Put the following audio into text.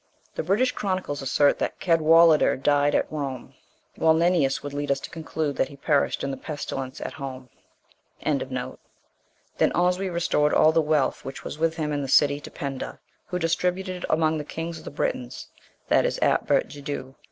(5) The British chronicles assert that Cadwallader died at Rome, whilst Nennius would lead us to conclude that he perished in the pestilence at home. 65. Then Oswy restored all the wealth, which was with him in the city, to Penda; who distributed it among the kings of the Britons, that is Atbert Judeu.